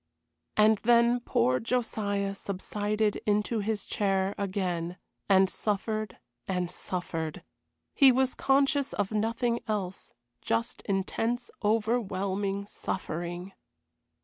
And then poor Josiah subsided into his chair again, and suffered and suffered. He was conscious of nothing else just intense, overwhelming suffering.